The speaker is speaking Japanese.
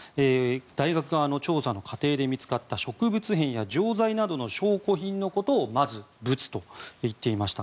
大学側の調査の過程で見つかった植物片や錠剤などの証拠品のことをブツと言っていました。